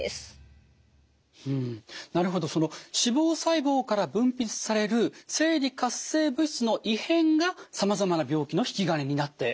なるほど脂肪細胞から分泌される生理活性物質の異変がさまざまな病気の引き金になっていたということなんですね。